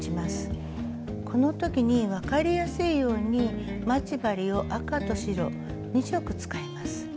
この時に分かりやすいように待ち針を赤と白２色使います。